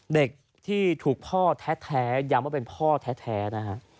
เด็กที่ถูกพ่อแท้ย้ำว่าเป็นพ่อแท้นะฮะ